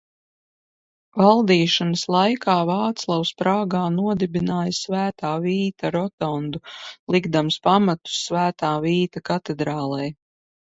Valdīšanas laikā Vāclavs Prāgā nodibināja Svētā Vīta rotondu, likdams pamatus Svētā Vīta katedrālei.